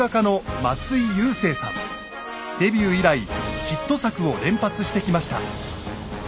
デビュー以来ヒット作を連発してきました。